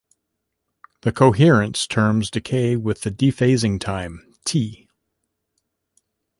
The coherence terms decay with the dephasing time, "T".